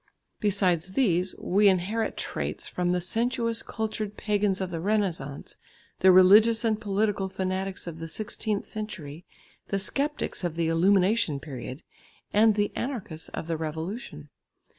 Besides these, we inherit traits from the sensuous cultured pagans of the Renaissance, the religious and political fanatics of the sixteenth century, the sceptics of the "illumination" period, and the anarchists of the Revolution.